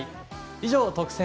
以上、特選！！